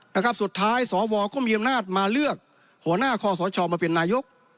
นะครับสุดท้ายสวก็มีอำนาจมาเลือกหัวหน้าคอสชมาเป็นนายก